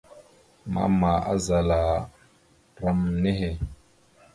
Mama azala ram nehe.